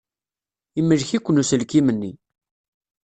Imlek-iken uselkim-nni.